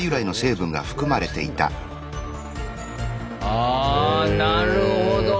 あなるほど。